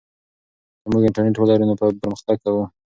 که موږ انټرنیټ ولرو نو پرمختګ کوو.